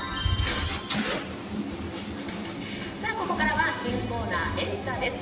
ここからは新コーナーエンタ！です。